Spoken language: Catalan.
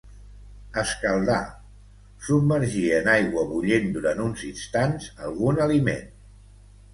escaldar: submergir en aigua bullent durant uns instants algun aliment